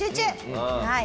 はい。